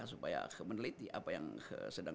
supaya meneliti apa yang sedang